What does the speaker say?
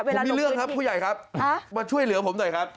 ผมมีเรื่องครับผู้ใหญ่ครับมาช่วยเหลือผมหน่อยครับ